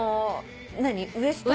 ウエストの。